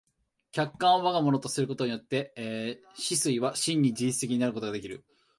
客観を我が物とすることによって思惟は真に自律的になることができる。